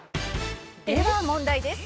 「では問題です」